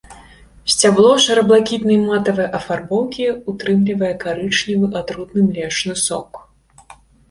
Сцябло шэра-блакітнай матавай афарбоўкі ўтрымлівае карычневы атрутны млечны сок.